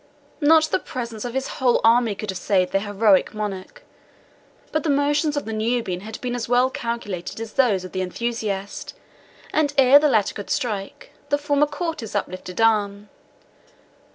Not the presence of his whole army could have saved their heroic Monarch; but the motions of the Nubian had been as well calculated as those of the enthusiast, and ere the latter could strike, the former caught his uplifted arm.